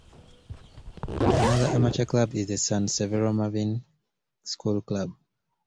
Another amateur club is the San Severo Marvin School club.